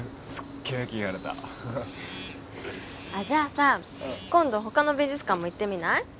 じゃあさ今度他の美術館も行ってみない？